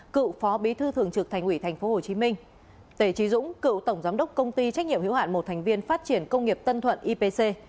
cựu phó bí thư thường trực thành ủy tp hcm tề trí dũng cựu tổng giám đốc công ty trách nhiệm hữu hạn một thành viên phát triển công nghiệp tân thuận ipc